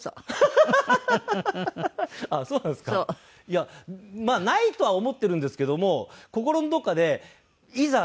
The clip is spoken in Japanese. いやまあないとは思ってるんですけども心のどこかでいざ